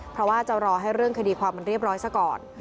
เพราะว่าจะรอให้เรื่องคดีความมันเรียบร้อยซะก่อน